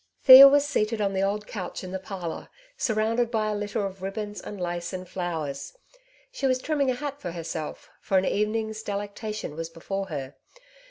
Thea was seated on the old couch in the parlour, , surrounded by a litter of ribbons and lace and flowers. She was trimming a hat for herself, for an ^ 120 " Two Sides tp every Qiiestion^^ evening^s delectation was before her.